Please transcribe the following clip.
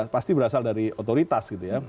pasti berasal dari otoritas gitu ya